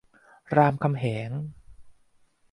รามคำแหง